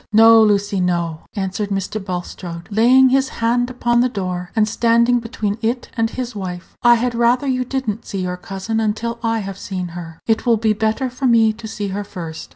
"No, Lucy, no," answered Mr. Bulstrode, laying his hand upon the door, and standing between it and his wife; "I had rather you did n't see your cousin until I have seen her. It will be better for me to see her first."